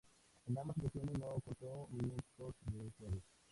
En ambas ocasiones no contó minutos de juego.